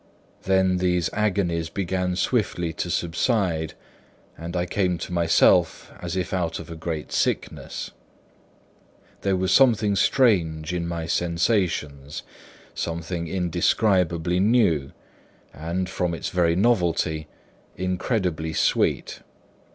Then these agonies began swiftly to subside, and I came to myself as if out of a great sickness. There was something strange in my sensations, something indescribably new and, from its very novelty, incredibly sweet.